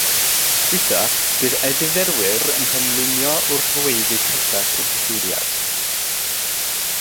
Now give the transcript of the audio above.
Weithiau bydd edifeirwyr yn penlinio wrth ddweud eu cyffes wrth offeiriad.